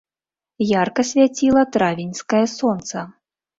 Ярка свяціла травеньскае сонца.